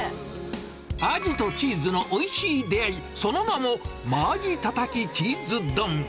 アジとチーズのおいしい出会い、その名も、真鯵たたきチーズ丼。